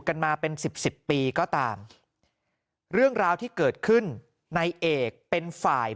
กันมาเป็นสิบสิบปีก็ตามเรื่องราวที่เกิดขึ้นในเอกเป็นฝ่าย